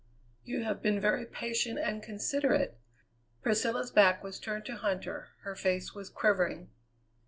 "You have been very patient and considerate." Priscilla's back was turned to Huntter; her face was quivering.